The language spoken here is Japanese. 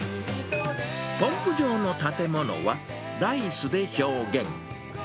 ポンプ場の建物はライスで表現。